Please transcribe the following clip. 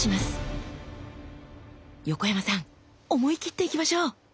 横山さん思い切っていきましょう！